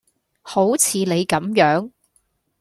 好似你咁樣